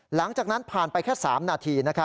หลังจากนั้นผ่านไปแค่๓นาที